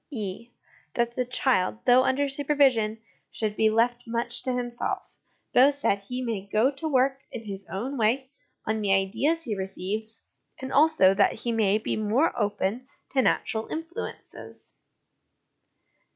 12 178 HOME EDUCATION (e) That the child, though under supervision, should be left much to himself both that he may go to work in his own way on the ideas he receives, and also that he may be the more open to natural influences.